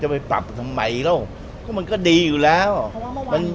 จะไปปรับทำไมแล้วก็มันก็ดีอยู่แล้วเพราะว่าเมื่อวาน